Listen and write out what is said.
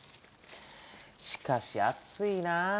しかし暑いなぁ。